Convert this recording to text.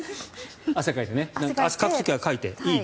汗かいてかく時はかいていい。